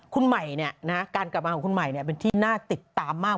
คุณใหม่การกลับมาของคุณใหม่เป็นที่น่าติดตามมาก